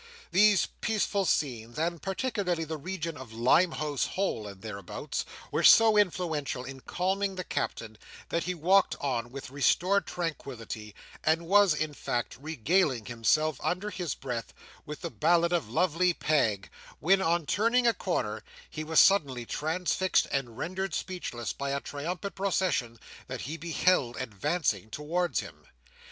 These peaceful scenes, and particularly the region of Limehouse Hole and thereabouts, were so influential in calming the Captain, that he walked on with restored tranquillity, and was, in fact, regaling himself, under his breath, with the ballad of Lovely Peg, when, on turning a corner, he was suddenly transfixed and rendered speechless by a triumphant procession that he beheld advancing towards him.